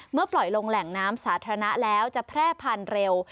ปล่อยลงแหล่งน้ำสาธารณะแล้วจะแพร่พันธุ์เร็ว